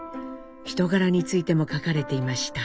人柄についても書かれていました。